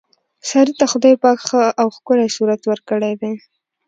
سارې ته خدای پاک ښه او ښکلی صورت ورکړی دی.